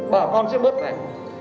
bà con sẽ bớt này